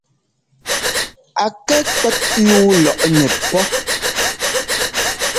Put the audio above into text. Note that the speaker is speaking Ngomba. A kɛ kwɛ́t yúu lɔꞌnɛ pɔ́.